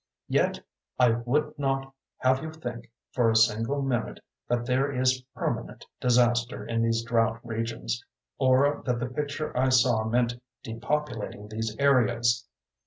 Yet I would not have you think for a single minute that there is permanent disaster in these drought regions, or that the picture I saw meant depopulating these areas.